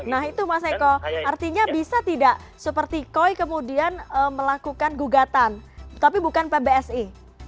nah itu mas eko artinya bisa tidak seperti koi kemudian melakukan gugatan tapi bukan pbsi